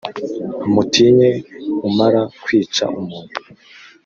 mutinye umara kwica umuntu